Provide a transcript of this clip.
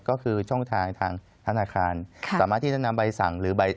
ก็คือช่องทางทางธนาคารสามารถที่จะนำใบสั่งหรือใบ